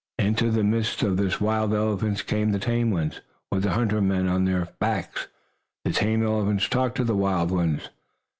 Into the midst of the wild elephants came the tame ones, with the hunter men on their backs. The tame elephants talked to the wild ones.